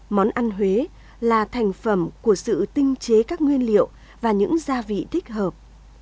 món ăn huế là thành phẩm của sự tinh chế các nguyên liệu và những gia vị thích hợp